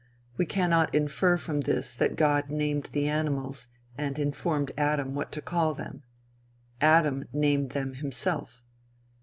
We cannot infer from this that God named the animals and informed Adam what to call them. Adam named them himself.